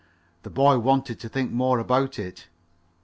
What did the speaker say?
The boy wanted to think more about it.